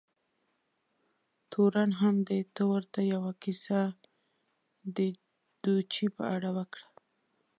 تورن هم دې ته ورته یوه کیسه د ډوچي په اړه وکړه.